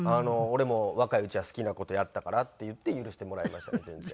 俺も若いうちは好きな事やったからって言って許してもらいましたね